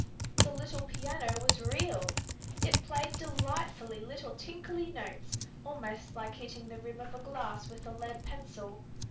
The little piano was real. It played delightfully little tinkly notes almost like hitting the rim of a glass with a lead pencil.